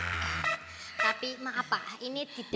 tapi maka pak ini tidak bisa